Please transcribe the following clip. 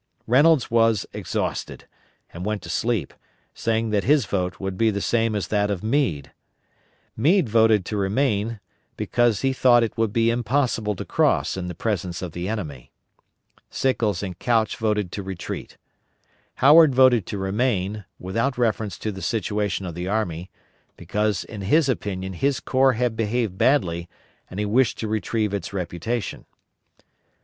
Reynolds was exhausted, and went to sleep, saying that his vote would be the same as that of Meade. Meade voted to remain, because he thought it would be impossible to cross in the presence of the enemy. Sickles and Couch voted to retreat. Howard voted to remain, without reference to the situation of the army, because in his opinion his corps had behaved badly, and he wished to retrieve its reputation.